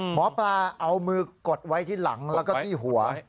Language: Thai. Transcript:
หมอปลาเอามือกดไว้ที่หลังแล้วก็ที่หัว